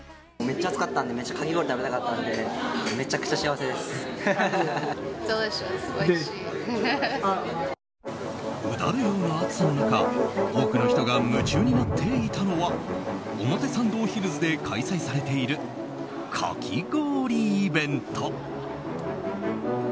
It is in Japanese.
うだるような暑さの中多くの人が夢中になっていたのは表参道ヒルズで開催されているかき氷イベント。